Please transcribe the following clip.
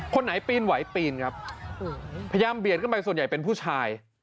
คนไหนปีนไหวปีนครับพยายามเบียดขึ้นไปส่วนใหญ่เป็นผู้ชาย